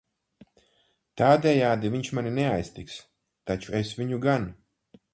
Tādejādi viņš mani neaiztiks, taču es viņu gan.